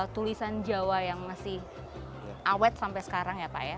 tulisan jawa yang masih awet sampai sekarang ya pak ya